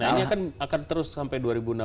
nah ini kan akan terus sampai dua ribu tujuh belas